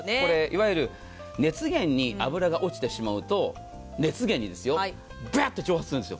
いわゆる熱源に脂が落ちてしまうと蒸発するんです。